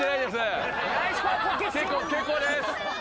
結構です！